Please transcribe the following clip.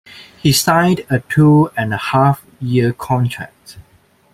He signed a two-and-a-half-year contract.